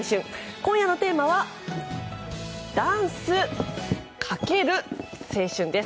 今夜のテーマはダンスカケル青春です。